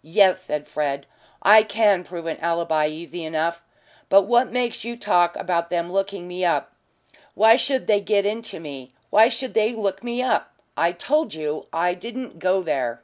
"Yes," said Fred, "I can prove an alibi easy enough. But what makes you talk about them looking me up? Why should they get into me why should they look me up? I've told you I didn't go there."